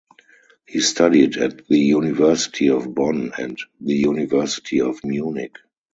He studied at the University of Bonn and the University of Munich.